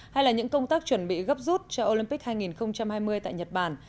hay là những công tác chuẩn bị gấp rút cho olympic hai nghìn hai mươi tại nhật bản